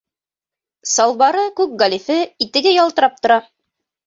Салбары күк галифе, итеге ялтырап тора.